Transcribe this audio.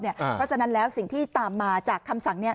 เพราะฉะนั้นแล้วสิ่งที่ตามมาจากคำสั่งนี้